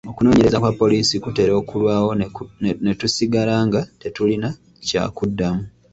Okunoonyereza kwa poliisi kutera okulwawo ne tusigala nga tetulina kyakuddamu.